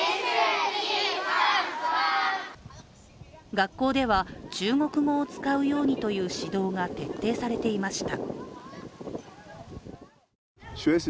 学校では、中国語を使うようにという指導が徹底されていました。